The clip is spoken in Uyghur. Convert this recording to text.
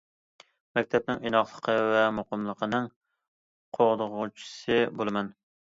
مەكتەپنىڭ ئىناقلىقى ۋە مۇقىملىقىنىڭ قوغدىغۇچىسى بولىمەن.